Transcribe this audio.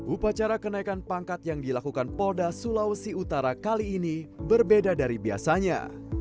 upacara kenaikan pangkat yang dilakukan polda sulawesi utara kali ini berbeda dari biasanya